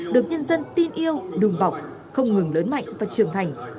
được nhân dân tin yêu đùm bọc không ngừng lớn mạnh và trưởng thành